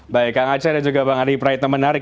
baik kak nga ceria juga bang adi prajita menarik